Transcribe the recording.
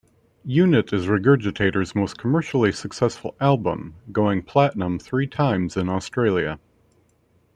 "Unit" is Regurgitator's most commercially successful album, going platinum three times in Australia.